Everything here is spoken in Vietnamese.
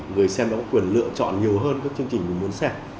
người xem đã có quyền lựa chọn nhiều hơn các chương trình muốn xem